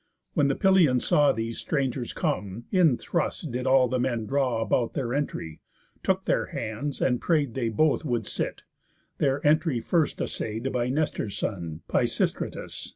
When the Pylians saw These strangers come, in thrust did all men draw About their entry, took their hands, and pray'd They both would sit; their entry first assay'd By Nestor's son, Pisistratus.